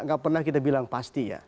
tidak pernah kita bilang pasti